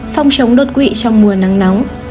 phong chống đột quỵ trong mùa nắng nóng